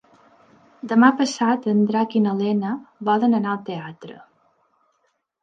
Demà passat en Drac i na Lena volen anar al teatre.